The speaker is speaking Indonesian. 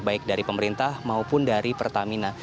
baik dari pemerintah maupun dari pertamina